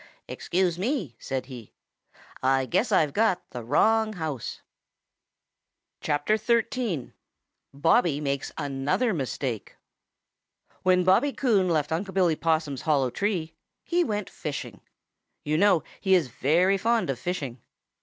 "Excuse me," said he, "I guess I've got the wrong house." XIII. BOBBY MAKES ANOTHER MISTAKE |WHEN Bobby Coon left Unc' Billy Possum's hollow tree, he went fishing. You know he is very fond of fishing.